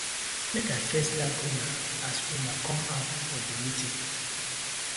Mak I first thank una as una come out for di meeting.